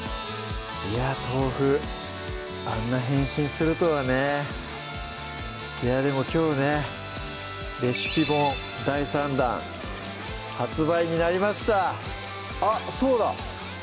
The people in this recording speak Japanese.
豆腐あんな変身するとはねいやでもきょうねレシピ本第３弾発売になりました！